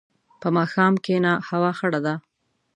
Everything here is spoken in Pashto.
په ماښام کښېنه، هوا خړه ده.